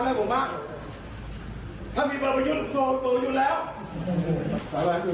ไปบ้านก็ไปรับแจ้งแล้วไปไหน